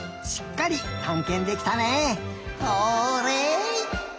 しっかりたんけんできたね。